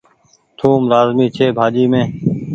ٿوم لآزمي ڇي ڀآڃي مين۔